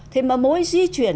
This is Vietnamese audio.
thế mà mỗi di chuyển